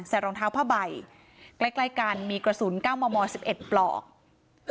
ใส่รองเท้าผ้าใบใกล้กันมีกระสุนก้าวมอร์๑๑ปลอก